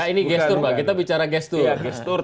ini gestur pak kita bicara gestur